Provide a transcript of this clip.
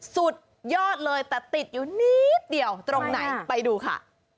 สุดยอดเลยแต่ติดอยู่นิดเดียวตรงไหนไปดูค่ะ